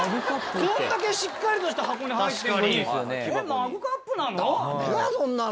こんだけしっかりとした箱に入ってんのにえっマグカップなの？